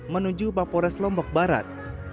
menuju bapores lombok barat